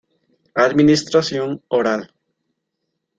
Administración: oral.